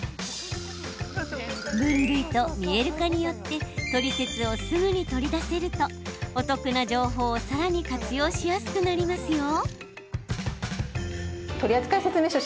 分類と見える化によってトリセツをすぐに取り出せるとお得な情報をさらに活用しやすくなりますよ。